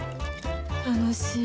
楽しい。